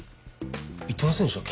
言ってませんでしたっけ？